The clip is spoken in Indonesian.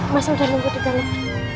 mas al udah nunggu di dalam